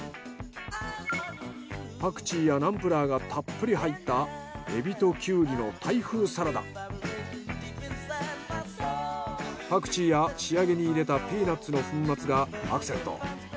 パクチーやナンプラーがたっぷり入ったパクチーや仕上げに入れたピーナッツの粉末がアクセント。